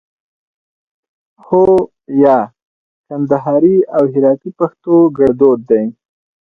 هو 👍 یا 👎 کندهاري او هراتي پښتو کړدود دی